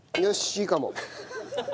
いいかも。